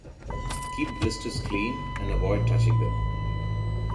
Keep blisters clean and avoid touching them.